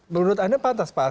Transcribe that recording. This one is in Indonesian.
menurut anda pantas pak